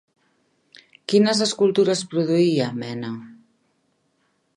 Quines escultures produïa Mena?